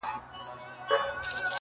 ته به نسې سړی زما د سترګو توره،